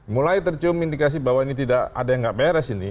mulai tercium indikasi bahwa ini tidak ada yang nggak beres ini